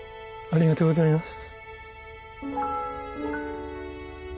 ありがとうございます。